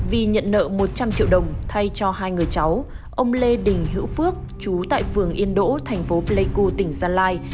vì nhận nợ một trăm linh triệu đồng thay cho hai người cháu ông lê đình hữu phước chú tại phường yên đỗ thành phố pleiku tỉnh gia lai